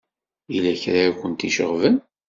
Yella kra ay kent-iceɣben?